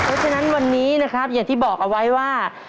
เพราะฉะนั้นวันนี้นะครับอย่างที่บอกเอาไว้ว่า